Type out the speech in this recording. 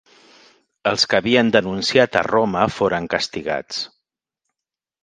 Els que havien denunciat a Romà foren castigats.